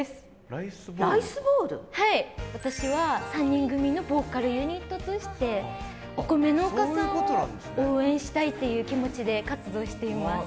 私は３人組のボーカルユニットとしてお米農家さんを応援したいっていう気持ちで活動しています。